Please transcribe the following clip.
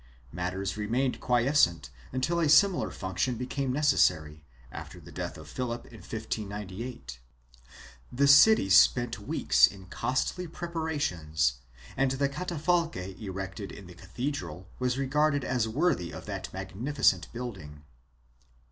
Matters remained quiescent until a similar function became necessary, after the death of Philip in 1598. The city spent weeks in costly preparations and the catafalque erected in the cathedral was regarded as worthy of that magnifi cent building.